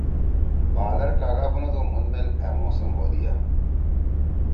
بہادر کاگا بندُو مُھن میل أ موسم ہودیا